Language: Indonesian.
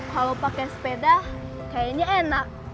kalau pakai sepeda kayaknya enak